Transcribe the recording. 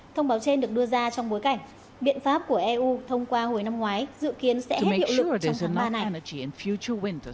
thông báo trên được đưa ra trong bối cảnh biện pháp của eu thông qua hồi năm ngoái dự kiến sẽ hết hiệu lực trong tháng ba này